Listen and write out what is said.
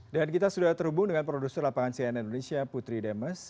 dan kita sudah terhubung dengan produser lapangan cn indonesia putri demes